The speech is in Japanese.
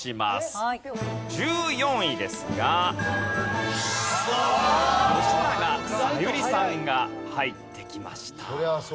１４位ですが吉永小百合さんが入ってきました。